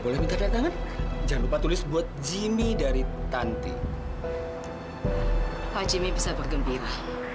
pak jimmy bisa bergembira